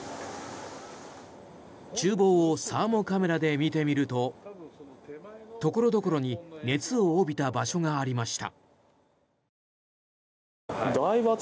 厨房をサーモカメラで見てみると所々に熱を帯びた場所がありました。